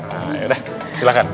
nah ya udah silahkan